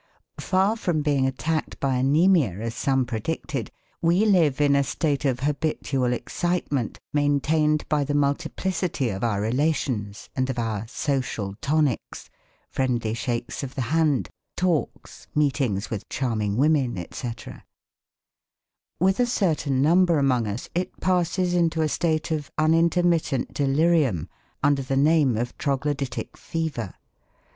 Far from being attacked by anæmia as some predicted, we live in a state of habitual excitement maintained by the multiplicity of our relations and of our "social tonics" (friendly shakes of the hand, talks, meetings with charming women, etc.). With a certain number among us it passes into a state of unintermittent delirium under the name of Troglodytic fever.